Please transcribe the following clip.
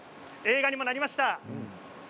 映画にもなりました